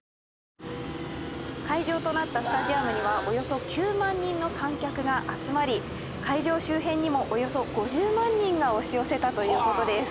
「会場となったスタジアムにはおよそ９万人の観客が集まり会場周辺にもおよそ５０万人が押し寄せたという事です」